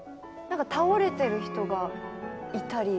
倒れてる人がいたり。